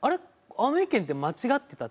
あの意見って間違ってた」って。